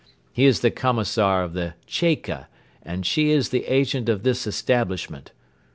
He is the commissar of the 'Cheka' and she is the agent of this establishment.